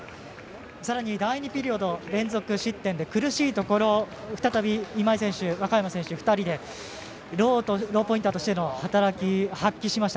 さらに第２ピリオド連続失点で苦しいところ、再び今井選手、若山選手２人で、ローポインターとしての働きを発揮しました。